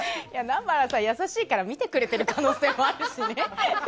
南原さん、優しいから見てくれている可能性もあるしね。